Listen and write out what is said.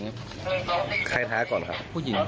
ก็ยังมันมีปัญหากันนานแล้วใช่มั้ยครับ